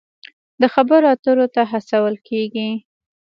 د خبرو اترو ته هڅول کیږي.